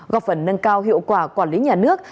góp phần nâng cao hiệu quả quản lý nhà nước